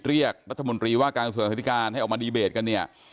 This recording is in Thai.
เรียกรัฐมนตรีว่าการกระทรวงศึกษาธิการให้ออกมาดีเบตกันเนี่ย